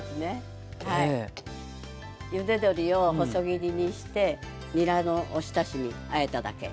ゆで鶏を細切りにしてにらのおひたしにあえただけ。